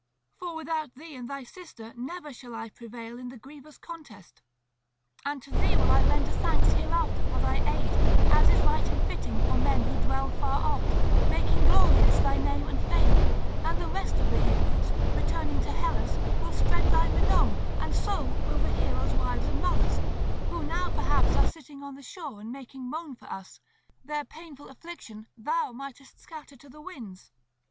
For without thee and thy sister never shall I prevail in the grievous contest. And to thee will I render thanks hereafter for thy aid, as is right and fitting for men who dwell far oft, making glorious thy name and fame; and the rest of the heroes, returning to Hellas, will spread thy renown and so will the heroes' wives and mothers, who now perhaps are sitting on the shore and making moan for us; their painful affliction thou mightest scatter to the winds.